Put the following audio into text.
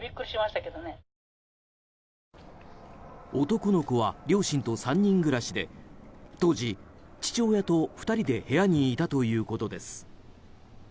男の子は両親と３人暮らしで当時、父親と２人で部屋にいたということです。